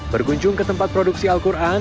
berkunjung ke tempat produksi al quran